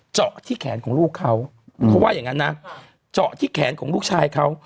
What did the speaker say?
เจาะที่แขนของลูกเขาเขาว่าอย่างงั้นนะเจาะที่แขนของลูกชายเขา